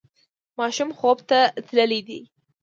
ماشوم خوب ته تللی دی.